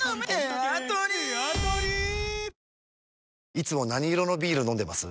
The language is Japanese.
いつも何色のビール飲んでます？